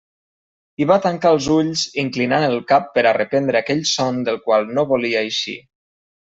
I va tancar els ulls, inclinant el cap per a reprendre aquell son del qual no volia eixir.